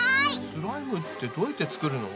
スライムってどうやって作るの？